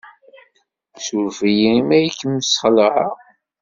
Ssuref-iyi imi ay kem-sxelɛeɣ.